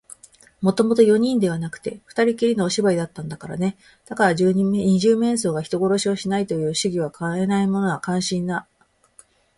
もともと四人ではなくて、ふたりきりのお芝居だったんだからね。だが、二十面相が人殺しをしないという主義をかえないのは感心だ。